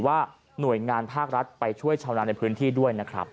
ว่าหน่วยงานภาครัฐไปช่วยชาวนาในพื้นที่ด้วยนะครับ